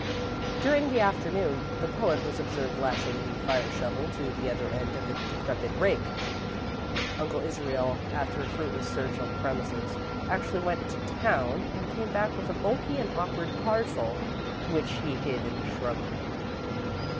During the afternoon, the poet was observed lashing the fire shovel to the other end of a decrepit rake. Uncle Israel, after a fruitless search of the premises, actually went to town and came back with a bulky and awkward parcel, which he hid in the shrubbery.